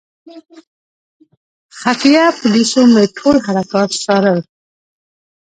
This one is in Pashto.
خفیه پولیسو مې ټول حرکات څارل.